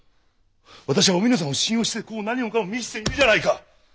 私はおみのさんを信用して何もかも見せているじゃないか！